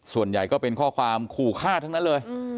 ส่วนใหญ่ก็เป็นข้อความขู่ฆ่าทั้งนั้นเลย